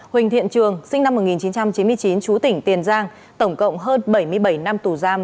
huỳnh thiện trường sinh năm một nghìn chín trăm chín mươi chín chú tỉnh tiền giang tổng cộng hơn bảy mươi bảy năm tù giam